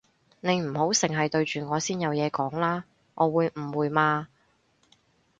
你唔好剩係對住我先有嘢講啦，我會誤會嘛